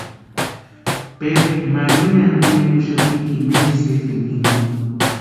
Pedru Maríani pirekuxati imaeri setima jinkoni.